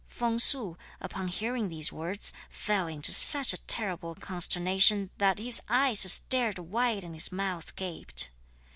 Feng Su, upon hearing these words, fell into such a terrible consternation that his eyes stared wide and his mouth gaped.